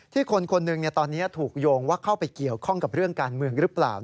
คนคนหนึ่งตอนนี้ถูกโยงว่าเข้าไปเกี่ยวข้องกับเรื่องการเมืองหรือเปล่า